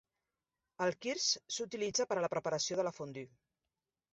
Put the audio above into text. El kirsch s'utilitza per a la preparació de la fondue.